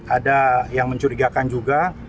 ada yang mencurigakan juga